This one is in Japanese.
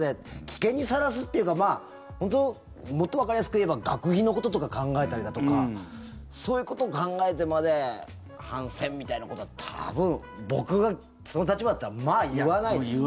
危険にさらすというかまあ、本当にもっとわかりやすく言えば学費のこととか考えたりだとかそういうことを考えてまで反戦みたいなことは多分、僕がその立場だったらまあ言わないです。